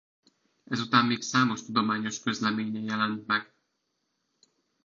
Ezután még számos tudományos közleménye jelent meg.